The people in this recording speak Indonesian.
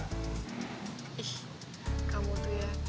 ih kamu tuh ya